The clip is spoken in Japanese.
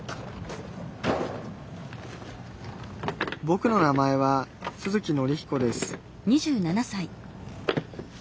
ぼくの名前は都築則彦です